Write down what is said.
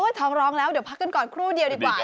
ท้องร้องแล้วเดี๋ยวพักกันก่อนครู่เดียวดีกว่า